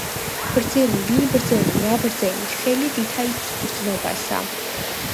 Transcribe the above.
ბრძენი, ვინ ბრძენი, რა ბრძენი, ხელი ვითა იქმს ბრძნობასა